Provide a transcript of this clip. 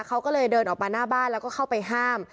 เขาก็เลยเดินออกมาหน้าบ้านแล้วก็เข้าไปห้าม